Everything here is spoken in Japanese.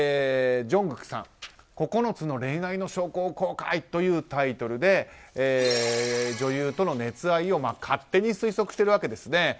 ジョングクさん９つの恋愛の証拠を公開というタイトルで女優との熱愛を勝手に推測しているわけですね。